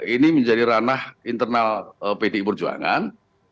ini menjadi ranah internal pdi perjuangan